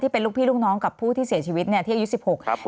เป็นลูกพี่ลูกน้องกับผู้ที่เสียชีวิตที่อายุ๑๖ครับ